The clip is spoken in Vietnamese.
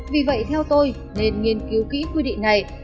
vì vậy theo tôi nên nghiên cứu kỹ quy định này